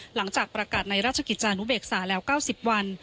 หลังจากประกาศในราชกิจจานุเบกษาแล้ว๙๐วัน